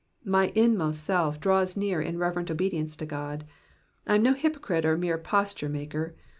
'''' My inmost self draws near in reverent obedience to God. I am no hypocrite or mere posture maker.